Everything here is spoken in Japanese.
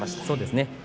そうですね。